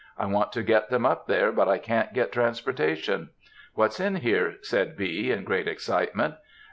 I want to get them up there, but I can't get transportation." "What's in here?" said B. in great excitement.